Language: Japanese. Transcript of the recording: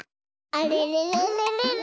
あれれれれれれ？